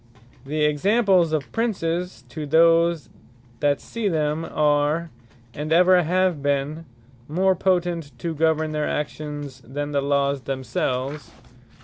The examples of Princes, to those that see them, are, and ever have been, more potent to govern their actions, than the Lawes themselves.